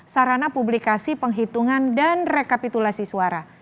sarana publikasi penghitungan dan rekapitulasi suara